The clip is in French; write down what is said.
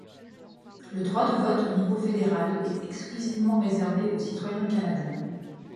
Le droit de vote au niveau fédéral est exclusivement réservé aux citoyens canadiens.